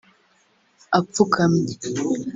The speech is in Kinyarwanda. apfukamye…